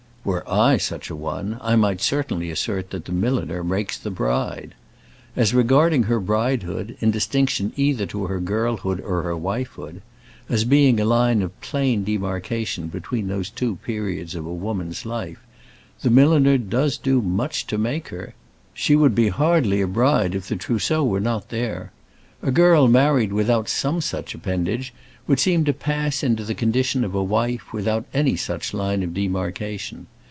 Were I such a one, I might certainly assert that the milliner makes the bride. As regarding her bridehood, in distinction either to her girlhood or her wifehood as being a line of plain demarcation between those two periods of a woman's life the milliner does do much to make her. She would be hardly a bride if the trousseau were not there. A girl married without some such appendage would seem to pass into the condition of a wife without any such line of demarcation.